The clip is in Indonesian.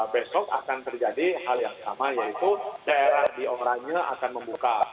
besok akan terjadi hal yang sama yaitu daerah di oranye akan membuka